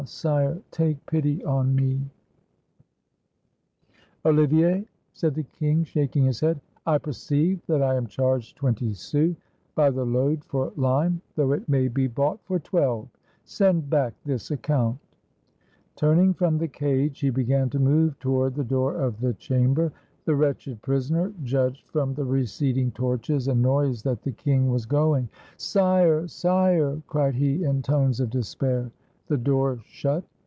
sire ! take pity on me!" 214 WHERE LOUIS XI SAID HIS PRAYERS " Olivier," said the king, shaking his head, " I per ceive that I am charged twenty sous by the load for lime, though it may be bought for twelve. Send back this account." Turning from the cage, he began to move toward the door of the chamber. The wretched prisoner judged from the receding torches and noise that the king was going. "Sire! sire!" cried he, in tones of despair. The door shut.